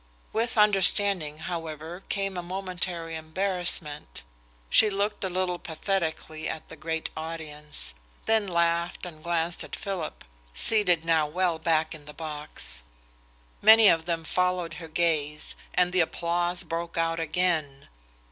With understanding, however, came a momentary embarrassment. She looked a little pathetically at the great audience, then laughed and glanced at Philip, seated now well back in the box. Many of them followed her gaze, and the applause broke out again.